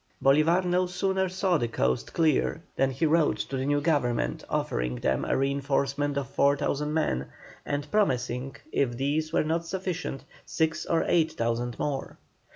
Bolívar no sooner saw the coast clear than he wrote to the new Government offering them a reinforcement of 4,000 men, and promising, if these were not sufficient, six or eight thousand more.